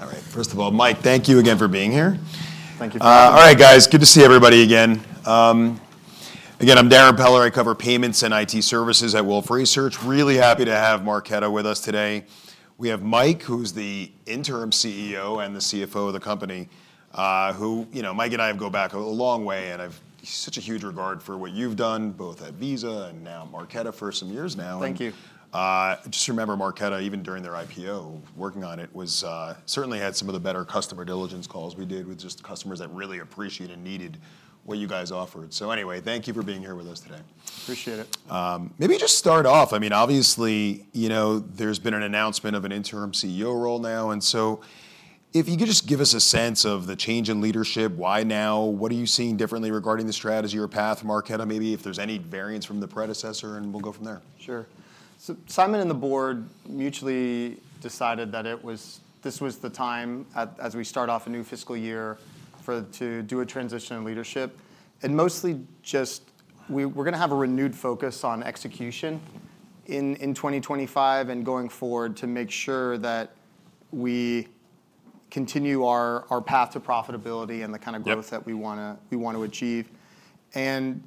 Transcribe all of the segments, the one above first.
All right, first of all, Mike, thank you again for being here. Thank you for having me. All right, guys, good to see everybody again. Again, I'm Darrin Peller. I cover payments and IT services at Wolfe Research. Really happy to have Marqeta with us today. We have Mike, who's the interim CEO and the CFO of the company, who, you know, Mike and I have gone back a long way, and I have such a huge regard for what you've done, both at Visa and now Marqeta for some years now. Thank you. Just remember Marqeta, even during their IPO, working on it, certainly had some of the better customer diligence calls we did with just customers that really appreciated and needed what you guys offered. Thank you for being here with us today. Appreciate it. Maybe just start off, I mean, obviously, you know, there's been an announcement of an interim CEO role now, and so if you could just give us a sense of the change in leadership, why now, what are you seeing differently regarding the strategy or path, Marqeta, maybe if there's any variance from the predecessor, and we'll go from there. Sure. Simon and the Board mutually decided that this was the time, as we start off a new fiscal year, to do a transition in leadership. Mostly just we're going to have a renewed focus on execution in 2025 and going forward to make sure that we continue our path to profitability and the kind of growth that we want to achieve. You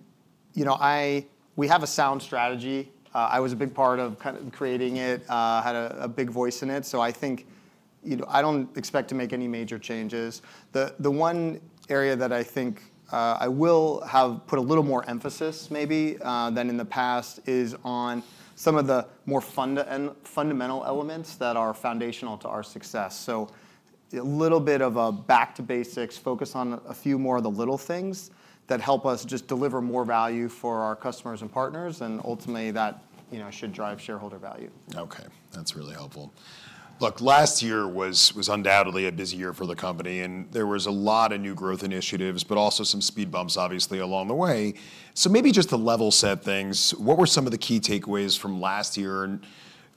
know, we have a sound strategy. I was a big part of kind of creating it, had a big voice in it, so I think, you know, I don't expect to make any major changes. The one area that I think I will have put a little more emphasis, maybe, than in the past, is on some of the more fundamental elements that are foundational to our success. A little bit of a back-to-basics, focus on a few more of the little things that help us just deliver more value for our customers and partners, and ultimately that, you know, should drive shareholder value. Okay, that's really helpful. Last year was undoubtedly a busy year for the company, and there was a lot of new growth initiatives, but also some speed bumps, obviously, along the way. Maybe just to level set things, what were some of the key takeaways from last year?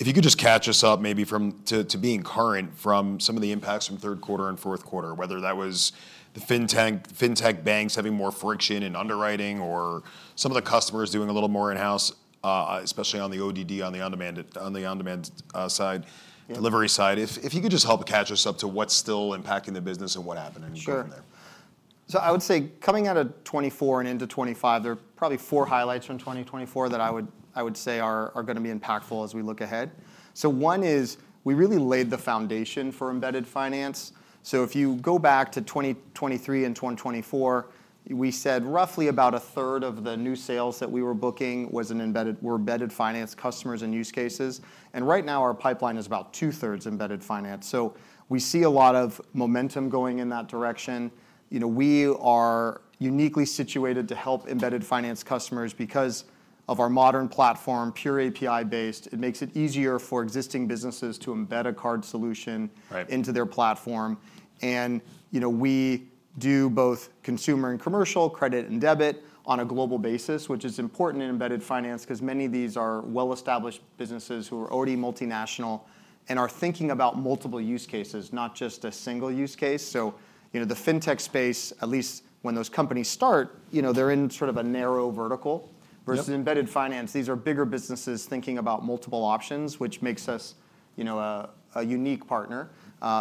If you could just catch us up, maybe from being current, from some of the impacts from third quarter and fourth quarter, whether that was the fintech banks having more friction in underwriting or some of the customers doing a little more in-house, especially on the ODD, on the on-demand side, delivery side. If you could just help catch us up to what's still impacting the business and what happened in the year from there. Sure. I would say coming out of 2024 and into 2025, there are probably four highlights from 2024 that I would say are going to be impactful as we look ahead. One is we really laid the foundation for embedded finance. If you go back to 2023 and 2024, we said roughly about a third of the new sales that we were booking were embedded finance customers and use cases. Right now our pipeline is about two-thirds embedded finance. We see a lot of momentum going in that direction. You know, we are uniquely situated to help embedded finance customers because of our modern platform, pure API-based. It makes it easier for existing businesses to embed a card solution into their platform. You know, we do both consumer and commercial credit and debit on a global basis, which is important in embedded finance because many of these are well-established businesses who are already multinational and are thinking about multiple use cases, not just a single use case. You know, the fintech space, at least when those companies start, you know, they're in sort of a narrow vertical. Versus embedded finance, these are bigger businesses thinking about multiple options, which makes us, you know, a unique partner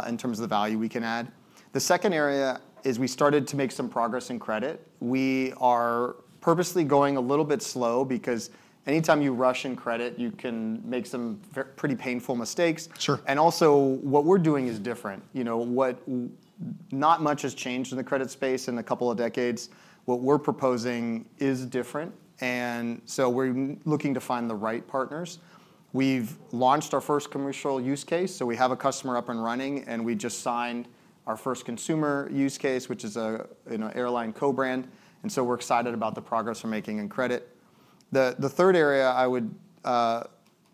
in terms of the value we can add. The second area is we started to make some progress in credit. We are purposely going a little bit slow because anytime you rush in credit, you can make some pretty painful mistakes. Sure. Also, what we're doing is different. You know, not much has changed in the credit space in a couple of decades. What we're proposing is different, and so we're looking to find the right partners. We've launched our first commercial use case, so we have a customer up and running, and we just signed our first consumer use case, which is an airline co-brand. You know, we're excited about the progress we're making in credit. The third area I would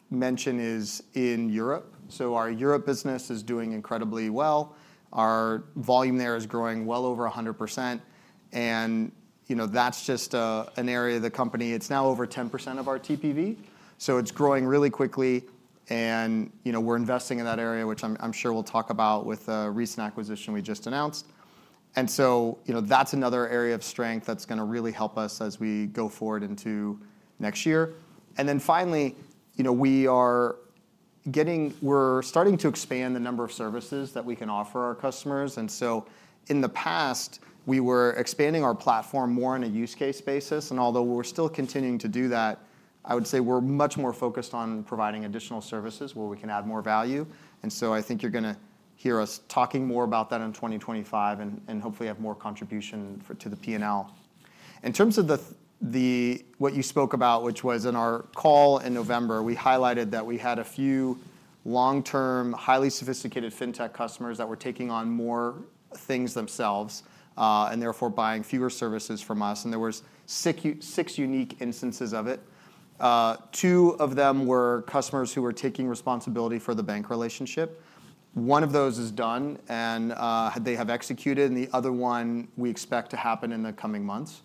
mention is in Europe. Our Europe business is doing incredibly well. Our volume there is growing well over 100%. You know, that's just an area of the company, it's now over 10% of our TPV. It's growing really quickly, and, you know, we're investing in that area, which I'm sure we'll talk about with a recent acquisition we just announced. You know, that's another area of strength that's going to really help us as we go forward into next year. Finally, you know, we are getting, we're starting to expand the number of services that we can offer our customers. In the past, we were expanding our platform more on a use case basis, and although we're still continuing to do that, I would say we're much more focused on providing additional services where we can add more value. I think you're going to hear us talking more about that in 2025 and hopefully have more contribution to the P&L. In terms of what you spoke about, which was in our call in November, we highlighted that we had a few long-term, highly sophisticated fintech customers that were taking on more things themselves and therefore buying fewer services from us. There were six unique instances of it. Two of them were customers who were taking responsibility for the bank relationship. One of those is done and they have executed, and the other one we expect to happen in the coming months.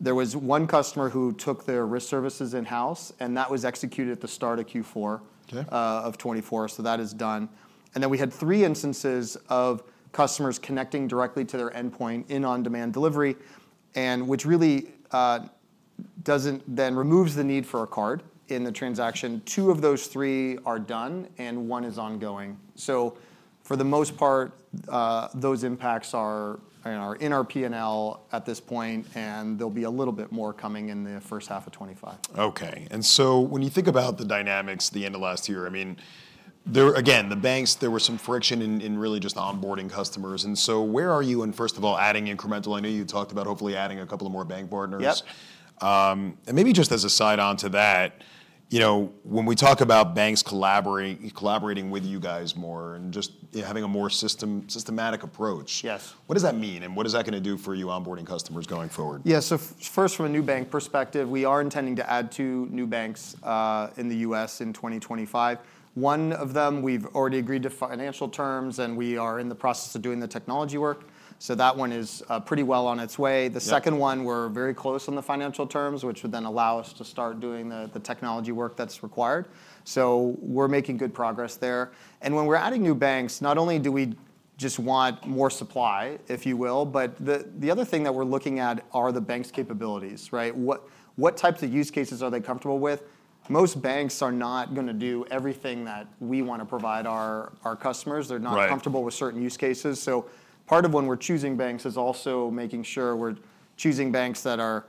There was one customer who took their risk services in-house, and that was executed at the start of Q4 of 2024, so that is done. We had three instances of customers connecting directly to their endpoint in on-demand delivery, which really does not then remove the need for a card in the transaction. Two of those three are done, and one is ongoing. For the most part, those impacts are in our P&L at this point, and there will be a little bit more coming in the first half of 2025. Okay. When you think about the dynamics at the end of last year, I mean, again, the banks, there was some friction in really just onboarding customers. Where are you in, first of all, adding incremental? I know you talked about hopefully adding a couple of more bank partners. Yes. Maybe just as a side onto that, you know, when we talk about banks collaborating with you guys more and just having a more systematic approach, what does that mean, and what is that going to do for you onboarding customers going forward? Yeah, so first, from a neobanking perspective, we are intending to add two new banks in the U.S. in 2025. One of them, we've already agreed to financial terms, and we are in the process of doing the technology work. That one is pretty well on its way. The second one, we're very close on the financial terms, which would then allow us to start doing the technology work that's required. We are making good progress there. When we are adding new banks, not only do we just want more supply, if you will, but the other thing that we are looking at are the banks' capabilities, right? What types of use cases are they comfortable with? Most banks are not going to do everything that we want to provide our customers. They are not comfortable with certain use cases. Part of when we're choosing banks is also making sure we're choosing banks that are,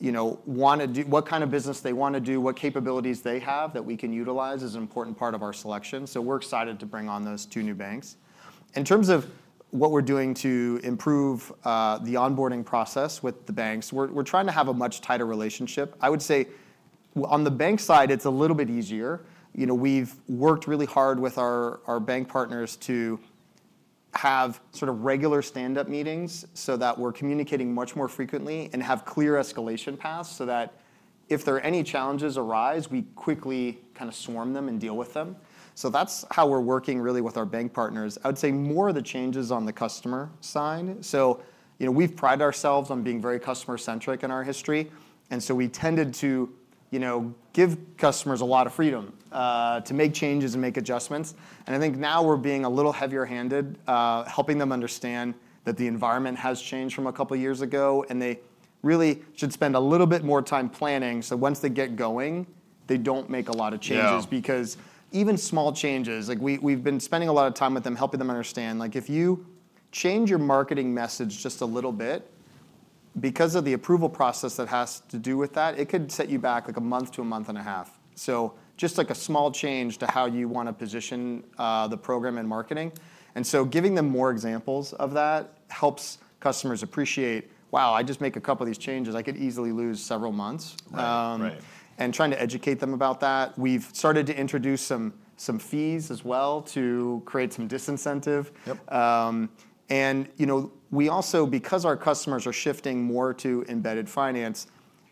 you know, want to do what kind of business they want to do, what capabilities they have that we can utilize is an important part of our selection. We're excited to bring on those two new banks. In terms of what we're doing to improve the onboarding process with the banks, we're trying to have a much tighter relationship. I would say on the bank side, it's a little bit easier. You know, we've worked really hard with our bank partners to have sort of regular stand-up meetings so that we're communicating much more frequently and have clear escalation paths so that if there are any challenges arise, we quickly kind of swarm them and deal with them. That's how we're working really with our bank partners. I would say more of the changes on the customer side. You know, we've prided ourselves on being very customer-centric in our history, and we tended to, you know, give customers a lot of freedom to make changes and make adjustments. I think now we're being a little heavier-handed, helping them understand that the environment has changed from a couple of years ago, and they really should spend a little bit more time planning so once they get going, they don't make a lot of changes. Because even small changes, like we've been spending a lot of time with them, helping them understand, like if you change your marketing message just a little bit because of the approval process that has to do with that, it could set you back like a month to a month and a half. Just like a small change to how you want to position the program and marketing. Giving them more examples of that helps customers appreciate, wow, I just make a couple of these changes, I could easily lose several months. Right, right. Trying to educate them about that. We've started to introduce some fees as well to create some disincentive. You know, we also, because our customers are shifting more to embedded finance,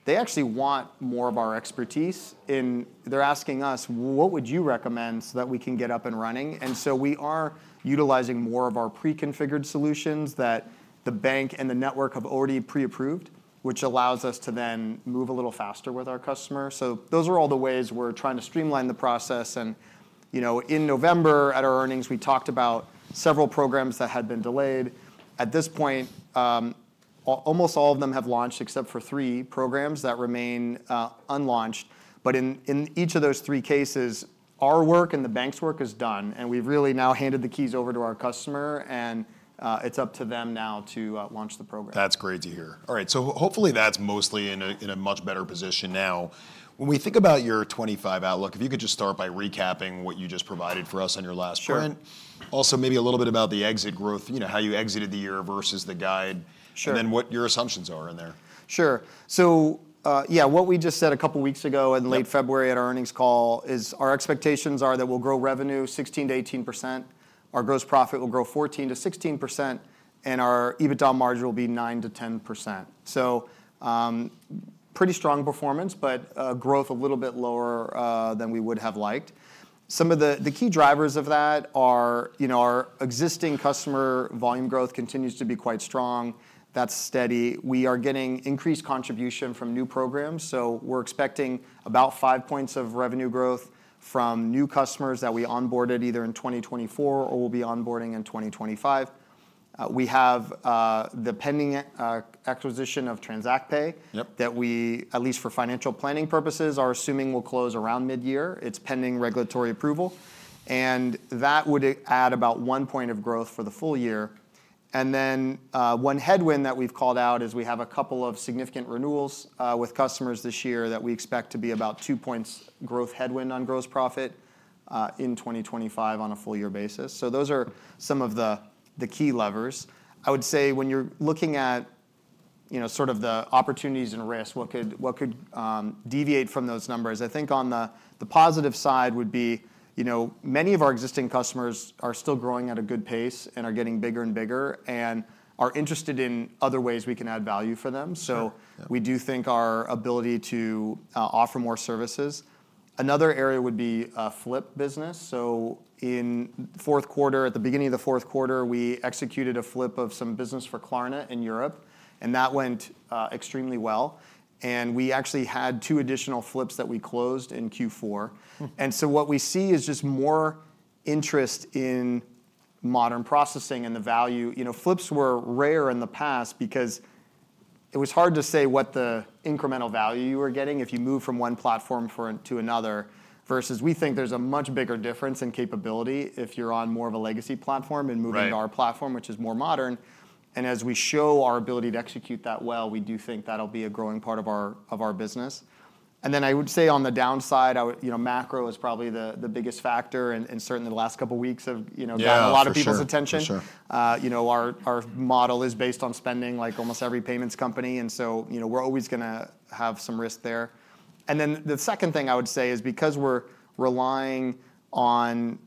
they actually want more of our expertise. They're asking us, what would you recommend so that we can get up and running? We are utilizing more of our pre-configured solutions that the bank and the network have already pre-approved, which allows us to then move a little faster with our customers. Those are all the ways we're trying to streamline the process. You know, in November at our earnings, we talked about several programs that had been delayed. At this point, almost all of them have launched except for three programs that remain unlaunched. In each of those three cases, our work and the bank's work is done, and we've really now handed the keys over to our customer, and it's up to them now to launch the program. That's great to hear. All right, so hopefully that's mostly in a much better position now. When we think about your 2025 outlook, if you could just start by recapping what you just provided for us on your last point. Sure. Also maybe a little bit about the exit growth, you know, how you exited the year versus the guide. Sure. What your assumptions are in there. Sure. What we just said a couple of weeks ago in late February at our earnings call is our expectations are that we'll grow revenue 16%-18%, our gross profit will grow 14%-16%, and our EBITDA margin will be 9%-10%. Pretty strong performance, but growth a little bit lower than we would have liked. Some of the key drivers of that are, you know, our existing customer volume growth continues to be quite strong. That's steady. We are getting increased contribution from new programs, so we're expecting about five points of revenue growth from new customers that we onboarded either in 2024 or we'll be onboarding in 2025. We have the pending acquisition of TransactPay that we, at least for financial planning purposes, are assuming will close around mid-year. It's pending regulatory approval. That would add about one point of growth for the full year. One headwind that we've called out is we have a couple of significant renewals with customers this year that we expect to be about two points growth headwind on gross profit in 2025 on a full-year basis. Those are some of the key levers. I would say when you're looking at, you know, sort of the opportunities and risks, what could deviate from those numbers? I think on the positive side would be, you know, many of our existing customers are still growing at a good pace and are getting bigger and bigger and are interested in other ways we can add value for them. We do think our ability to offer more services. Another area would be flip business. In fourth quarter, at the beginning of the fourth quarter, we executed a flip of some business for Klarna in Europe, and that went extremely well. We actually had two additional flips that we closed in Q4. What we see is just more interest in modern processing and the value. You know, flips were rare in the past because it was hard to say what the incremental value you were getting if you moved from one platform to another versus we think there is a much bigger difference in capability if you are on more of a legacy platform and moving to our platform, which is more modern. As we show our ability to execute that well, we do think that will be a growing part of our business. I would say on the downside, you know, macro is probably the biggest factor and certainly the last couple of weeks have gotten a lot of people's attention. Yeah, for sure. You know, our model is based on spending like almost every payments company, and so, you know, we're always going to have some risk there. The second thing I would say is because we're relying on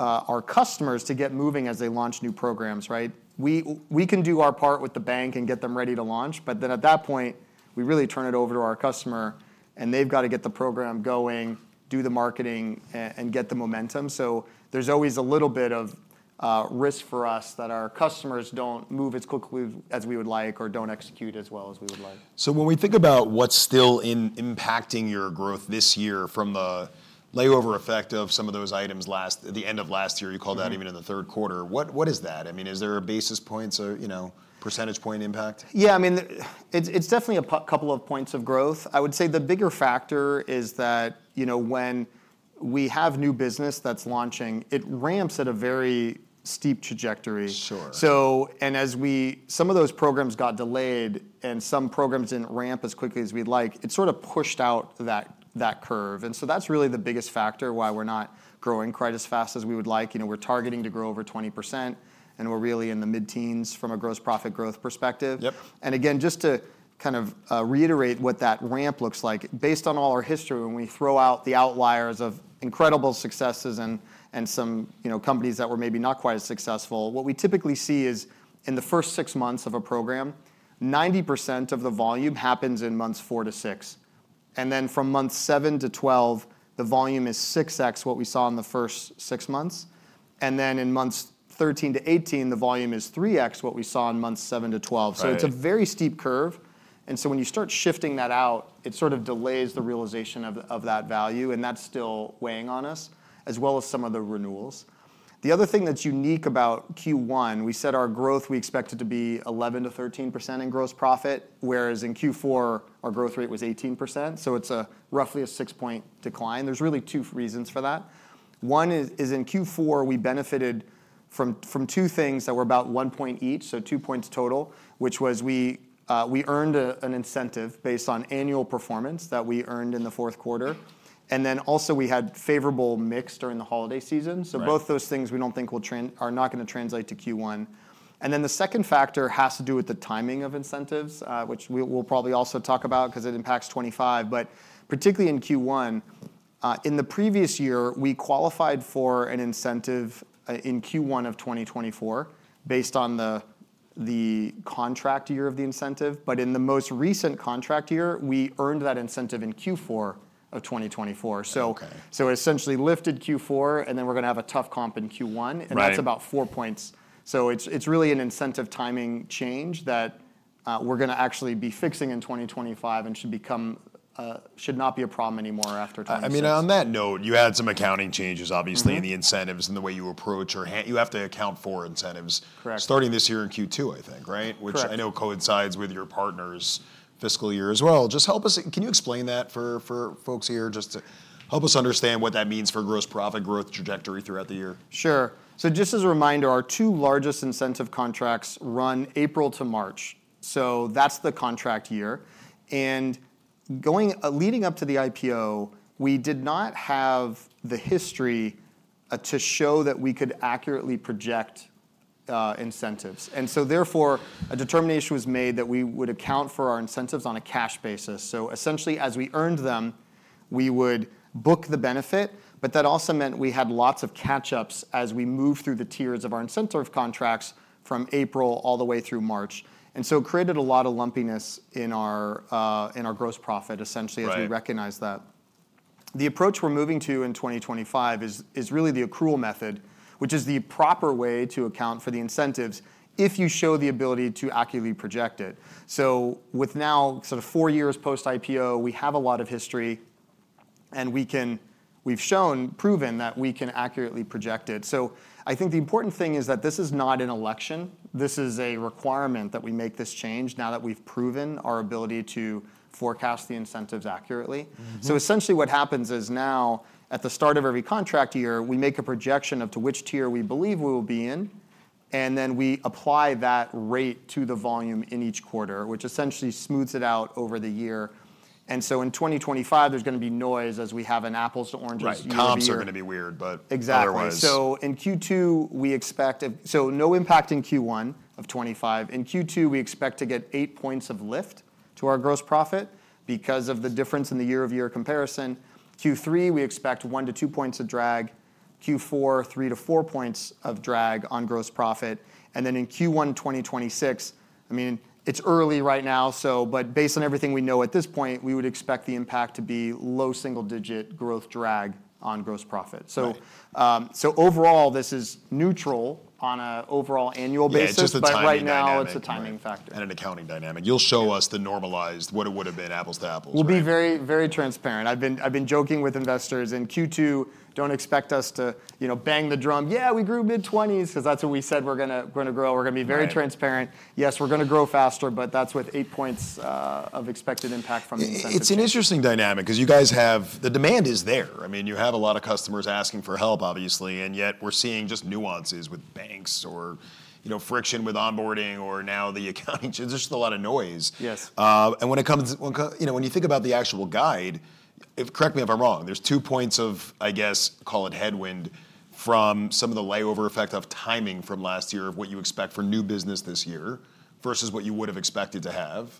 our customers to get moving as they launch new programs, right? We can do our part with the bank and get them ready to launch, but at that point, we really turn it over to our customer and they've got to get the program going, do the marketing, and get the momentum. There is always a little bit of risk for us that our customers don't move as quickly as we would like or don't execute as well as we would like. When we think about what's still impacting your growth this year from the layover effect of some of those items at the end of last year, you called that even in the third quarter, what is that? I mean, is there a basis point, you know, percentage point impact? Yeah, I mean, it's definitely a couple of points of growth. I would say the bigger factor is that, you know, when we have new business that's launching, it ramps at a very steep trajectory. Sure. As we, some of those programs got delayed and some programs did not ramp as quickly as we'd like, it sort of pushed out that curve. That is really the biggest factor why we are not growing quite as fast as we would like. You know, we are targeting to grow over 20% and we are really in the mid-teens from a gross profit growth perspective. Yep. Just to kind of reiterate what that ramp looks like, based on all our history, when we throw out the outliers of incredible successes and some, you know, companies that were maybe not quite as successful, what we typically see is in the first six months of a program, 90% of the volume happens in months four to six. From months seven to twelve, the volume is 6X what we saw in the first six months. In months 13-18, the volume is 3X what we saw in months seven to twelve. Right. It's a very steep curve. When you start shifting that out, it sort of delays the realization of that value, and that's still weighing on us, as well as some of the renewals. The other thing that's unique about Q1, we said our growth, we expect it to be 11%-13% in gross profit, whereas in Q4, our growth rate was 18%. It's roughly a six-point decline. There are really two reasons for that. One is in Q4, we benefited from two things that were about one point each, so two points total, which was we earned an incentive based on annual performance that we earned in the fourth quarter. Also, we had favorable mix during the holiday season. Both those things we do not think are going to translate to Q1. The second factor has to do with the timing of incentives, which we'll probably also talk about because it impacts 2025. Particularly in Q1, in the previous year, we qualified for an incentive in Q1 of 2024 based on the contract year of the incentive. In the most recent contract year, we earned that incentive in Q4 of 2024. Okay. It essentially lifted Q4, and then we're going to have a tough comp in Q1. Right. That is about four percentage points. It is really an incentive timing change that we are going to actually be fixing in 2025 and should not be a problem anymore after that time. I mean, on that note, you added some accounting changes, obviously, in the incentives and the way you approach or you have to account for incentives. Correct. Starting this year in Q2, I think, right? Correct. Which I know coincides with your partner's fiscal year as well. Just help us, can you explain that for folks here just to help us understand what that means for gross profit growth trajectory throughout the year? Sure. Just as a reminder, our two largest incentive contracts run April-March. That is the contract year. Going leading up to the IPO, we did not have the history to show that we could accurately project incentives. Therefore, a determination was made that we would account for our incentives on a cash basis. Essentially, as we earned them, we would book the benefit, but that also meant we had lots of catch-ups as we moved through the tiers of our incentive contracts from April all the way through March. It created a lot of lumpiness in our gross profit, essentially, as we recognized that. The approach we are moving to in 2025 is really the accrual method, which is the proper way to account for the incentives if you show the ability to accurately project it. With now sort of four years post-IPO, we have a lot of history, and we've shown, proven that we can accurately project it. I think the important thing is that this is not an election. This is a requirement that we make this change now that we've proven our ability to forecast the incentives accurately. Essentially what happens is now at the start of every contract year, we make a projection of to which tier we believe we will be in, and then we apply that rate to the volume in each quarter, which essentially smooths it out over the year. In 2025, there's going to be noise as we have an apples-to-oranges year. Right, comps are going to be weird, but otherwise. Exactly. In Q2, we expect, so no impact in Q1 of 2025. In Q2, we expect to get eight percentage points of lift to our gross profit because of the difference in the year-over-year comparison. Q3, we expect one to two percentage points of drag. Q4, 3 points-4 points of drag on gross profit. I mean, it's early right now, so, but based on everything we know at this point, we would expect the impact to be low single-digit growth drag on gross profit. Overall, this is neutral on an overall annual basis. It's just a timing factor. Right now, it's a timing factor. You will show us the normalized, what it would have been, apples-to-apples. We'll be very, very transparent. I've been joking with investors in Q2, don't expect us to, you know, bang the drum, yeah, we grew mid-20s because that's what we said we're going to grow. We're going to be very transparent. Yes, we're going to grow faster, but that's with eight percentage points of expected impact from the incentives. It's an interesting dynamic because you guys have, the demand is there. I mean, you have a lot of customers asking for help, obviously, and yet we're seeing just nuances with banks or, you know, friction with onboarding or now the accounting change. There's just a lot of noise. Yes. When it comes, you know, when you think about the actual guide, correct me if I'm wrong, there's two points of, I guess, call it headwind from some of the layover effect of timing from last year of what you expect for new business this year versus what you would have expected to have.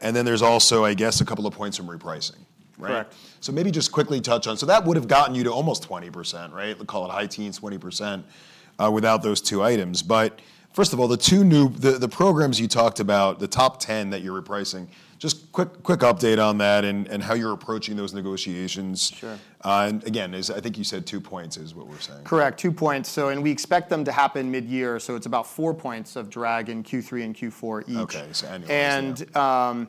There is also, I guess, a couple of points from repricing, right? Correct. Maybe just quickly touch on, so that would have gotten you to almost 20%, right? Call it high teens, 20% without those two items. First of all, the two new programs you talked about, the top 10 that you're repricing, just quick update on that and how you're approaching those negotiations. Sure. I think you said two points is what we're saying. Correct, two points. We expect them to happen mid-year. It is about four points of drag in Q3 and Q4 each. Okay, so annualized.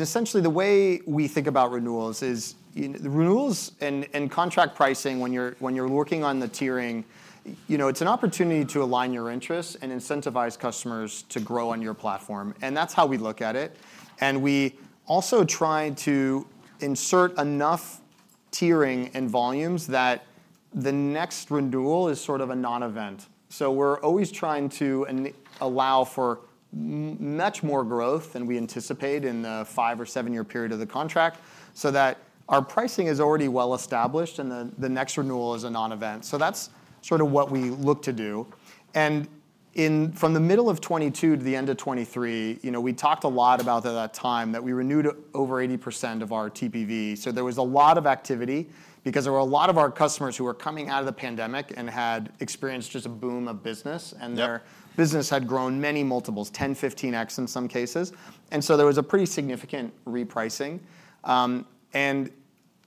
Essentially the way we think about renewals is renewals and contract pricing, when you're working on the tiering, you know, it's an opportunity to align your interests and incentivize customers to grow on your platform. That's how we look at it. We also try to insert enough tiering and volumes that the next renewal is sort of a non-event. We're always trying to allow for much more growth than we anticipate in the five or seven-year period of the contract so that our pricing is already well established and the next renewal is a non-event. That's sort of what we look to do. From the middle of 2022 to the end of 2023, you know, we talked a lot about that time that we renewed over 80% of our TPV. There was a lot of activity because there were a lot of our customers who were coming out of the pandemic and had experienced just a boom of business, and their business had grown many multiples, 10X, 15X in some cases. There was a pretty significant repricing. In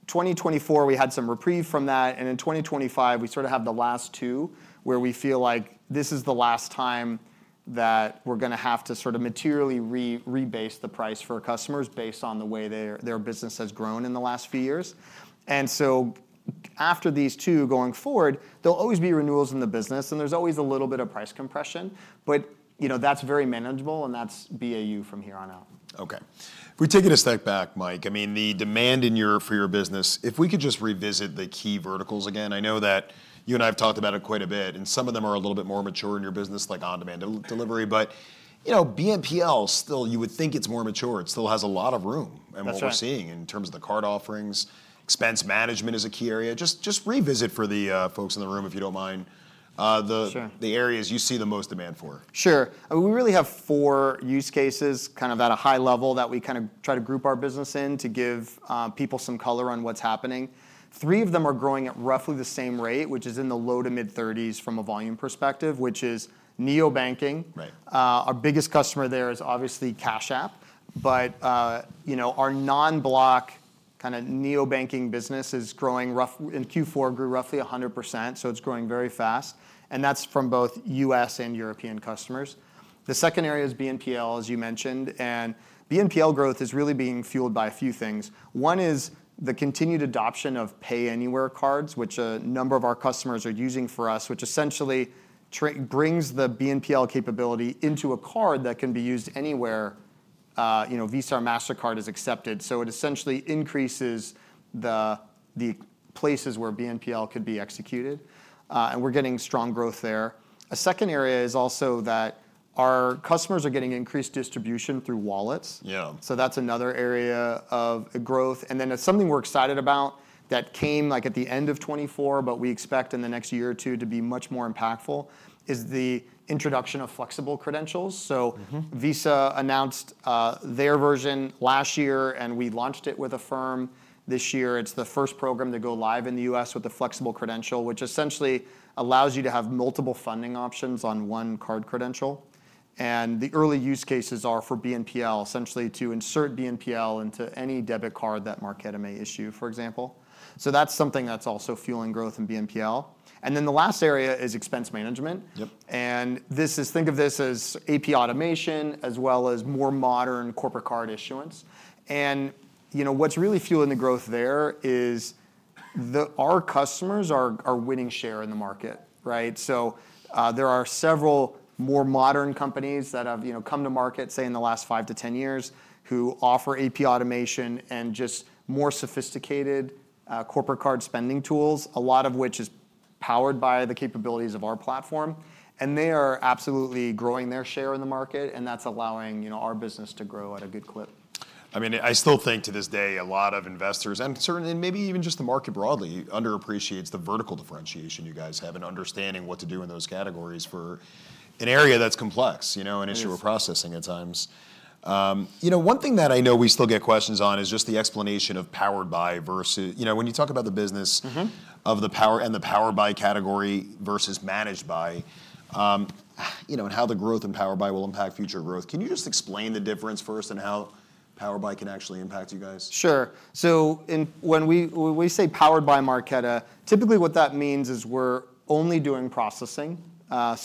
2024, we had some reprieve from that. In 2025, we sort of have the last two where we feel like this is the last time that we're going to have to sort of materially rebase the price for customers based on the way their business has grown in the last few years. After these two going forward, there will always be renewals in the business, and there's always a little bit of price compression, but you know, that's very manageable, and that's BAU from here on out. Okay. If we take it a step back, Mike, I mean, the demand for your business, if we could just revisit the key verticals again, I know that you and I have talked about it quite a bit, and some of them are a little bit more mature in your business, like on-demand delivery. You know, BNPL still, you would think it's more mature. It still has a lot of room and what we're seeing in terms of the card offerings. Expense management is a key area. Just revisit for the folks in the room, if you don't mind, the areas you see the most demand for. Sure. We really have four use cases kind of at a high level that we kind of try to group our business in to give people some color on what's happening. Three of them are growing at roughly the same rate, which is in the low to mid-30% from a volume perspective, which is neobanking. Right. Our biggest customer there is obviously Cash App, but you know, our non-Block kind of neobanking business is growing rough, in Q4 grew roughly 100%, so it's growing very fast. And that's from both U.S. and European customers. The second area is BNPL, as you mentioned. And BNPL growth is really being fueled by a few things. One is the continued adoption of pay anywhere cards, which a number of our customers are using for us, which essentially brings the BNPL capability into a card that can be used anywhere. You know, Visa or Mastercard is accepted. It essentially increases the places where BNPL could be executed. We're getting strong growth there. A second area is also that our customers are getting increased distribution through wallets. Yeah. That's another area of growth. It's something we're excited about that came at the end of 2024, but we expect in the next year or two to be much more impactful, is the introduction of flexible credentials. Visa announced their version last year, and we launched it with Affirm this year. It's the first program to go live in the U.S. with a flexible credential, which essentially allows you to have multiple funding options on one card credential. The early use cases are for BNPL, essentially to insert BNPL into any debit card that Marqeta may issue, for example. That's something that's also fueling growth in BNPL. The last area is expense management. Yep. This is, think of this as AP automation as well as more modern corporate card issuance. You know, what's really fueling the growth there is our customers are winning share in the market, right? There are several more modern companies that have, you know, come to market, say, in the last five to ten years, who offer AP automation and just more sophisticated corporate card spending tools, a lot of which is powered by the capabilities of our platform. They are absolutely growing their share in the market, and that's allowing, you know, our business to grow at a good clip. I mean, I still think to this day, a lot of investors and certainly maybe even just the market broadly underappreciates the vertical differentiation you guys have and understanding what to do in those categories for an area that's complex, you know, an issue of processing at times. You know, one thing that I know we still get questions on is just the explanation of powered by versus, you know, when you talk about the business of the power and the powered by category versus managed by, you know, and how the growth in powered by will impact future growth. Can you just explain the difference first and how powered by can actually impact you guys? Sure. When we say powered by Marqeta, typically what that means is we're only doing processing.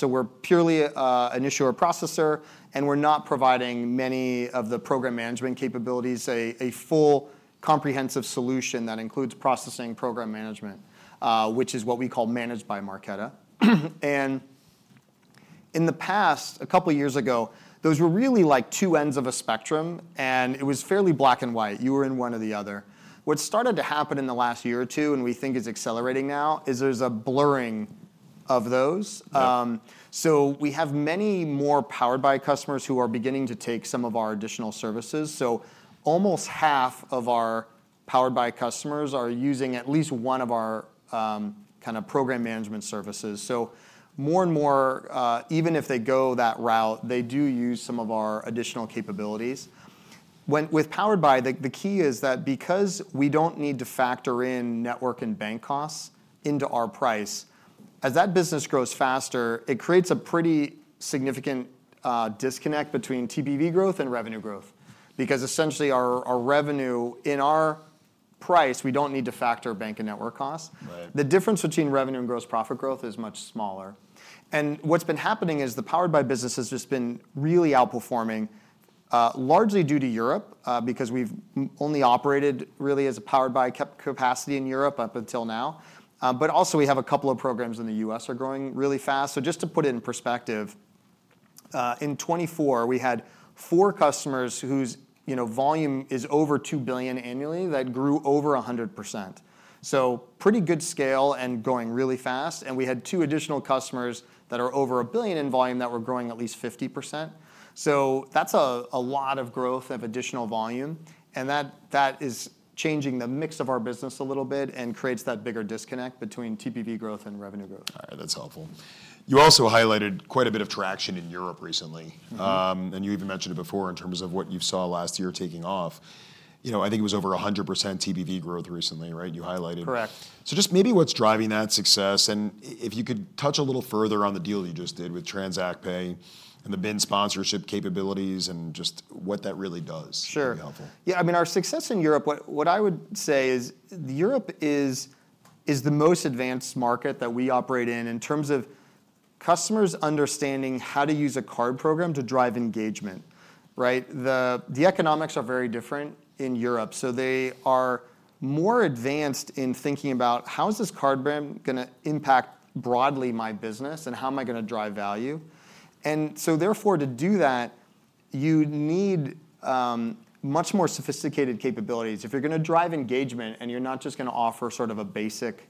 We're purely an issuer processor, and we're not providing many of the program management capabilities. A full comprehensive solution that includes processing and program management is what we call managed by Marqeta. In the past, a couple of years ago, those were really like two ends of a spectrum, and it was fairly black and white. You were in one or the other. What started to happen in the last year or two, and we think is accelerating now, is there's a blurring of those. We have many more powered by customers who are beginning to take some of our additional services. Almost half of our powered by customers are using at least one of our kind of program management services. More and more, even if they go that route, they do use some of our additional capabilities. With powered by, the key is that because we do not need to factor in network and bank costs into our price, as that business grows faster, it creates a pretty significant disconnect between TPV growth and revenue growth. Because essentially our revenue in our price, we do not need to factor bank and network costs. Right. The difference between revenue and gross profit growth is much smaller. What's been happening is the powered by business has just been really outperforming, largely due to Europe, because we've only operated really as a powered by capacity in Europe up until now. Also, we have a couple of programs in the U.S. that are growing really fast. Just to put it in perspective, in 2024, we had four customers whose, you know, volume is over $2 billion annually that grew over 100%. Pretty good scale and going really fast. We had two additional customers that are over $1 billion in volume that were growing at least 50%. That's a lot of growth of additional volume. That is changing the mix of our business a little bit and creates that bigger disconnect between TPV growth and revenue growth. All right, that's helpful. You also highlighted quite a bit of traction in Europe recently. You even mentioned it before in terms of what you saw last year taking off. You know, I think it was over 100% TPV growth recently, right? You highlighted. Correct. Just maybe what's driving that success? If you could touch a little further on the deal you just did with TransactPay and the BIN sponsorship capabilities and just what that really does. Sure. That'd be helpful. Yeah, I mean, our success in Europe, what I would say is Europe is the most advanced market that we operate in in terms of customers understanding how to use a card program to drive engagement, right? The economics are very different in Europe. They are more advanced in thinking about how is this card brand going to impact broadly my business and how am I going to drive value? Therefore, to do that, you need much more sophisticated capabilities. If you're going to drive engagement and you're not just going to offer sort of a basic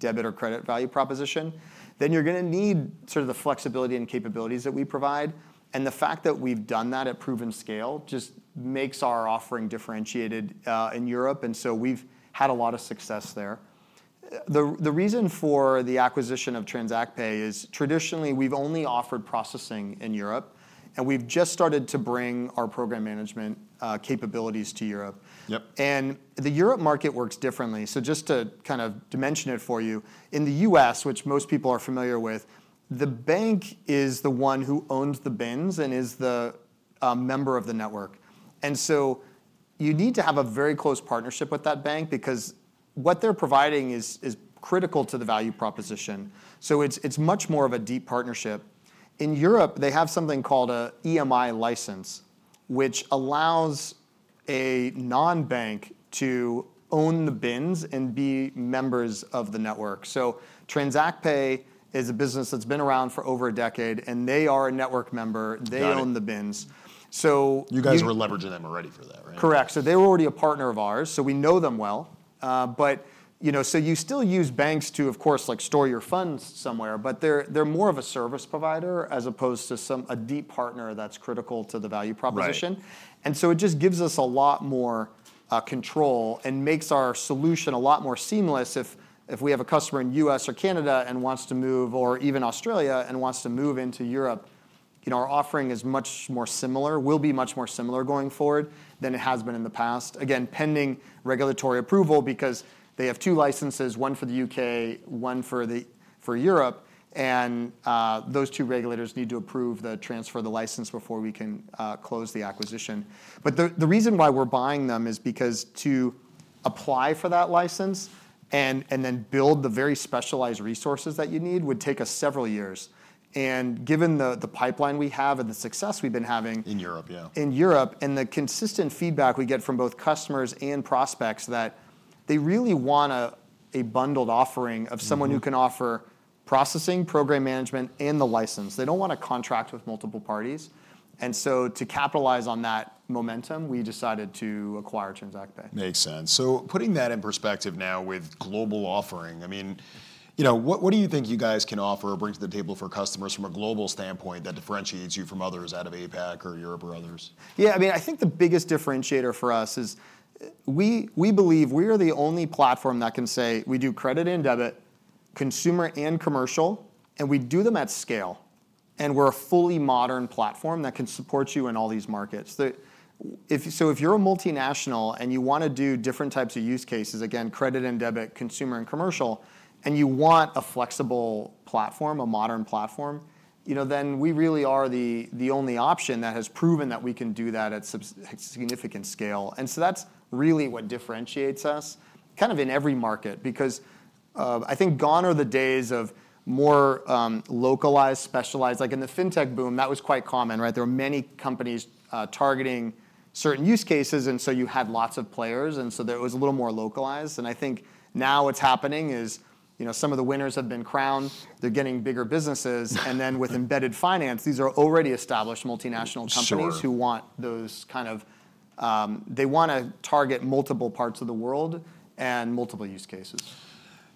debit or credit value proposition, then you're going to need sort of the flexibility and capabilities that we provide. The fact that we've done that at proven scale just makes our offering differentiated in Europe. We've had a lot of success there. The reason for the acquisition of TransactPay is traditionally we've only offered processing in Europe, and we've just started to bring our program management capabilities to Europe. Yep. The Europe market works differently. Just to kind of dimension it for you, in the U.S., which most people are familiar with, the bank is the one who owns the BINs and is the member of the network. You need to have a very close partnership with that bank because what they're providing is critical to the value proposition. It is much more of a deep partnership. In Europe, they have something called an EMI license, which allows a non-bank to own the BINs and be members of the network. TransactPay is a business that's been around for over a decade, and they are a network member. They own the BINs. You guys were leveraging them already for that, right? Correct. They were already a partner of ours. We know them well. You still use banks to, of course, like store your funds somewhere, but they're more of a service provider as opposed to a deep partner that's critical to the value proposition. Right. It just gives us a lot more control and makes our solution a lot more seamless if we have a customer in the U.S. or Canada and wants to move, or even Australia and wants to move into Europe. You know, our offering is much more similar, will be much more similar going forward than it has been in the past. Again, pending regulatory approval because they have two licenses, one for the U.K., one for Europe. Those two regulators need to approve the transfer of the license before we can close the acquisition. The reason why we're buying them is because to apply for that license and then build the very specialized resources that you need would take us several years. Given the pipeline we have and the success we've been having. In Europe, yeah. In Europe, the consistent feedback we get from both customers and prospects is that they really want a bundled offering of someone who can offer processing, program management, and the license. They do not want to contract with multiple parties. To capitalize on that momentum, we decided to acquire TransactPay. Makes sense. Putting that in perspective now with global offering, I mean, you know, what do you think you guys can offer or bring to the table for customers from a global standpoint that differentiates you from others out of APAC or Europe or others? Yeah, I mean, I think the biggest differentiator for us is we believe we are the only platform that can say we do credit and debit, consumer and commercial, and we do them at scale. We are a fully modern platform that can support you in all these markets. If you are a multinational and you want to do different types of use cases, again, credit and debit, consumer and commercial, and you want a flexible platform, a modern platform, you know, we really are the only option that has proven that we can do that at significant scale. That is really what differentiates us kind of in every market because I think gone are the days of more localized, specialized. Like in the fintech boom, that was quite common, right? There were many companies targeting certain use cases, and so you had lots of players, and so there was a little more localized. I think now what's happening is, you know, some of the winners have been crowned, they're getting bigger businesses, and then with embedded finance, these are already established multinational companies. Sure. Who want those kind of, they want to target multiple parts of the world and multiple use cases.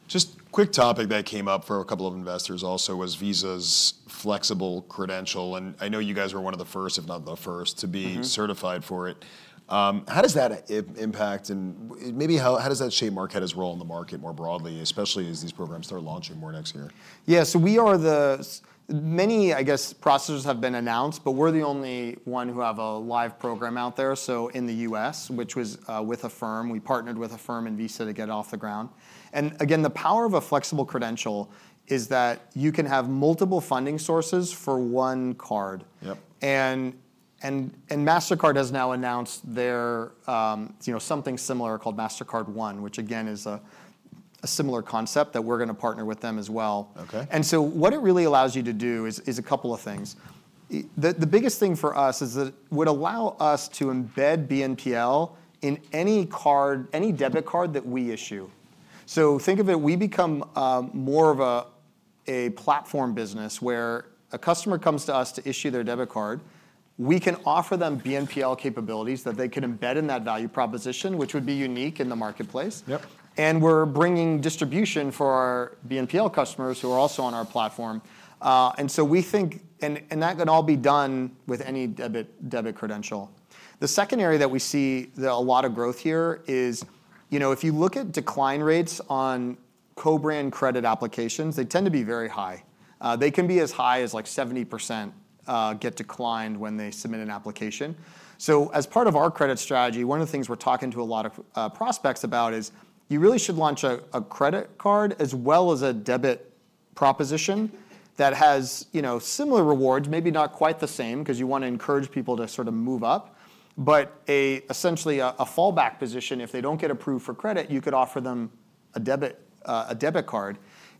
Just a quick topic that came up for a couple of investors also was Visa's flexible credential. I know you guys were one of the first, if not the first, to be certified for it. How does that impact and maybe how does that shape Marqeta's role in the market more broadly, especially as these programs start launching more next year? Yeah, so we are the many, I guess, processors have been announced, but we're the only one who have a live program out there. In the U.S., which was with Affirm, we partnered with Affirm and Visa to get it off the ground. Again, the power of a flexible credential is that you can have multiple funding sources for one card. Yep. Mastercard has now announced their, you know, something similar called Mastercard One, which again is a similar concept that we're going to partner with them as well. Okay. What it really allows you to do is a couple of things. The biggest thing for us is that it would allow us to embed BNPL in any card, any debit card that we issue. Think of it, we become more of a platform business where a customer comes to us to issue their debit card. We can offer them BNPL capabilities that they can embed in that value proposition, which would be unique in the marketplace. Yep. We're bringing distribution for our BNPL customers who are also on our platform. We think, and that can all be done with any debit credential. The second area that we see a lot of growth here is, you know, if you look at decline rates on co-brand credit applications, they tend to be very high. They can be as high as 70% get declined when they submit an application. As part of our credit strategy, one of the things we're talking to a lot of prospects about is you really should launch a credit card as well as a debit proposition that has, you know, similar rewards, maybe not quite the same because you want to encourage people to sort of move up, but essentially a fallback position. If they don't get approved for credit, you could offer them a debit card.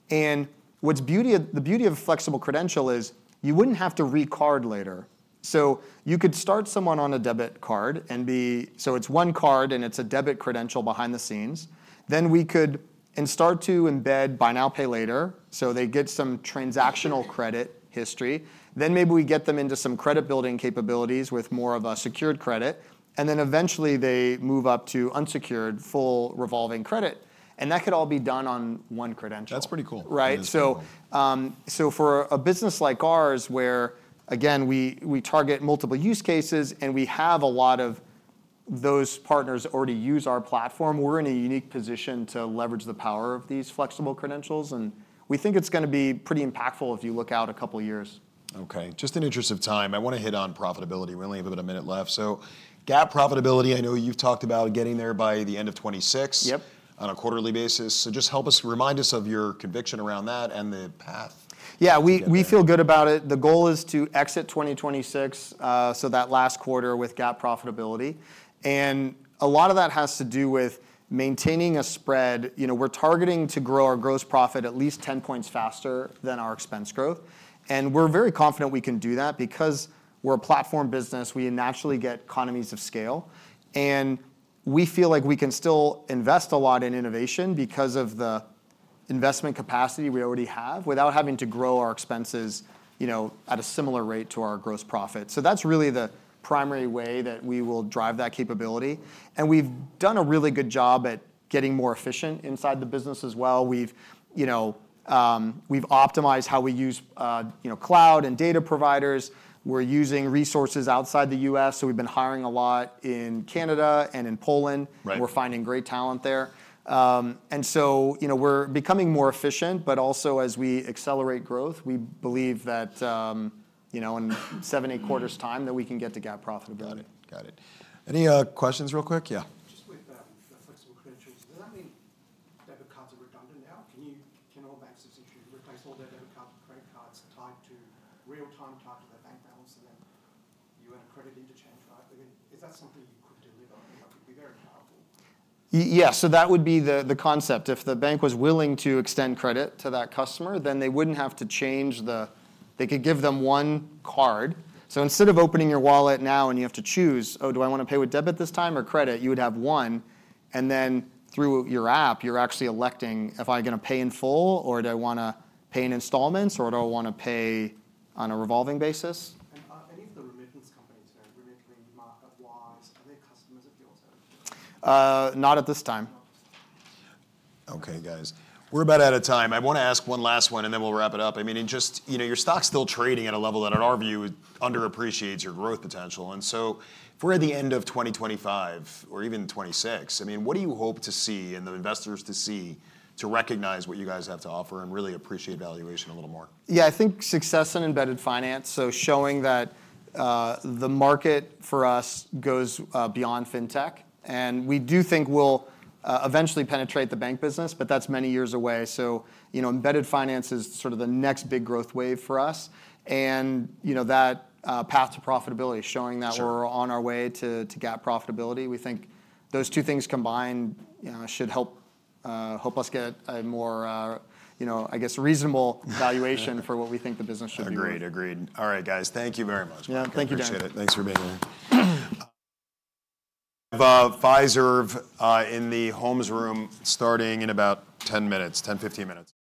The beauty of a flexible credential is you would not have to re-card later. You could start someone on a debit card and be, so it is one card and it is a debit credential behind the scenes. You could start to embed buy now, pay later. They get some transactional credit history. Maybe you get them into some credit building capabilities with more of a secured credit. Eventually they move up to unsecured, full revolving credit. That could all be done on one credential. That's pretty cool. Right? For a business like ours where, again, we target multiple use cases and we have a lot of those partners already use our platform, we're in a unique position to leverage the power of these flexible credentials. We think it's going to be pretty impactful if you look out a couple of years. Okay. Just in interest of time, I want to hit on profitability. We only have about a minute left. GAAP profitability, I know you've talked about getting there by the end of 2026. Yep. On a quarterly basis. Just help us remind us of your conviction around that and the path. Yeah, we feel good about it. The goal is to exit 2026, so that last quarter with GAAP profitability. And a lot of that has to do with maintaining a spread. You know, we're targeting to grow our gross profit at least 10 points faster than our expense growth. And we're very confident we can do that because we're a platform business. We naturally get economies of scale. We feel like we can still invest a lot in innovation because of the investment capacity we already have without having to grow our expenses, you know, at a similar rate to our gross profit. That is really the primary way that we will drive that capability. We've done a really good job at getting more efficient inside the business as well. We've, you know, we've optimized how we use, you know, cloud and data providers. We're using resources outside the U.S. We've been hiring a lot in Canada and in Poland. Right. We're finding great talent there. You know, we're becoming more efficient, but also as we accelerate growth, we believe that, you know, in seven, eight quarters' time that we can get to GAAP Profitability. Got it. Got it. Any questions real quick? Yeah. Just with the flexible credentials, does that mean debit cards are redundant now? Can all banks essentially replace all their debit cards, credit cards tied to real-time tied to their bank balance, and then you add a credit interchange, right? I mean, is that something you could deliver? It could be very powerful. Yeah, so that would be the concept. If the bank was willing to extend credit to that customer, then they wouldn't have to change the, they could give them one card. Instead of opening your wallet now and you have to choose, oh, do I want to pay with debit this time or credit? You would have one. Through your app, you're actually electing, if I'm going to pay in full or do I want to pay in installments or do I want to pay on a revolving basis? Any of the remittance companies, remittance, Remitly and Wise, are they customers of yours? Not at this time. Okay, guys. We're about out of time. I want to ask one last one and then we'll wrap it up. I mean, and just, you know, your stock's still trading at a level that in our view underappreciates your growth potential. If we're at the end of 2025 or even 2026, I mean, what do you hope to see and the investors to see to recognize what you guys have to offer and really appreciate valuation a little more? Yeah, I think success in embedded finance. Showing that the market for us goes beyond fintech. We do think we'll eventually penetrate the bank business, but that's many years away. You know, embedded finance is sort of the next big growth wave for us. You know, that path to profitability, showing that we're on our way to GAAP Profitability. We think those two things combined should help us get a more, you know, I guess reasonable valuation for what we think the business should be. Agreed. Agreed. All right, guys. Thank you very much. Yeah, thank you, John. Appreciate it. Thanks for being here. Fiserv in the Holmes room starting in about 10 minutes, 10 minutes-15 minutes.